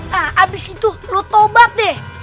nah abis itu lu tobat deh